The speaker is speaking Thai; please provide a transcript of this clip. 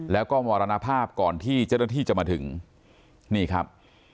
แล้วก็มรณภาพก่อนที่เจ้าหน้าที่จะมาถึงนี่ครับ